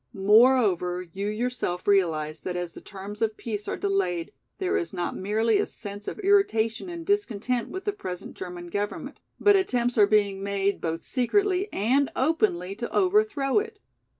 Moreover, you yourself realize that as the terms of peace are delayed there is not merely a sense of irritation and discontent with the present German government, but attempts are being made both secretly and openly to overthrow it.